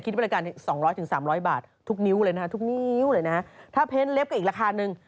บริการ๒๐๐๓๐๐บาททุกนิ้วเลยนะฮะทุกนิ้วเลยนะฮะถ้าเพ้นเล็บก็อีกราคานึง